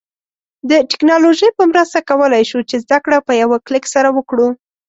د ټیکنالوژی په مرسته کولای شو چې زده کړه په یوه کلیک سره وکړو